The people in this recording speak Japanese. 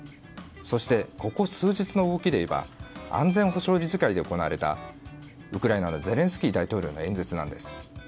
そしてここ数日の動きでいえば安全保障理事会で行われたウクライナのゼレンスキー大統領の演説です。